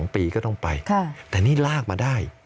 ๒ปีก็ต้องไปแต่นี่ลากมาได้